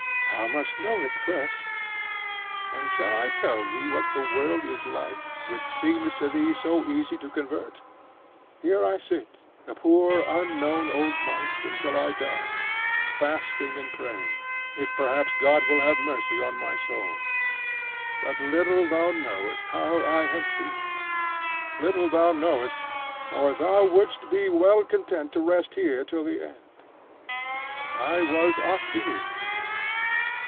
'Thou must know it first. And shall I tell thee what that world is like, which seems to thee so easy to convert? Here I sit, the poor unknown old monk, until I die, fasting and praying, if perhaps God will have mercy on my soul: but little thou knowest how I have seen it. Little thou knowest, or thou wouldst be well content to rest here till the end. I was Arsenius....